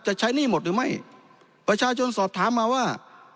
ใช้หนี้หมดหรือไม่ประชาชนสอบถามมาว่า